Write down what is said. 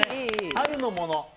春のもの。